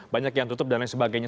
banyak yang tutup dan lain sebagainya